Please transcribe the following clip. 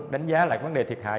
đánh giá lại vấn đề thiệt hại